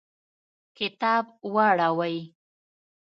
کتاب واوړوئ